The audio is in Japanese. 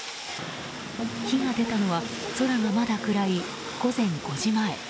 火が出たのは空がまだ暗い午前５時前。